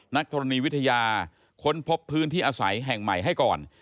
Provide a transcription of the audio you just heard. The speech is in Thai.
ธรณีวิทยาค้นพบพื้นที่อาศัยแห่งใหม่ให้ก่อน